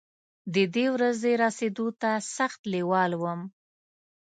ددې ورځې رسېدو ته سخت لېوال وم.